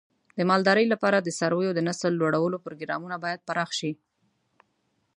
د مالدارۍ لپاره د څارویو د نسل لوړولو پروګرامونه باید پراخ شي.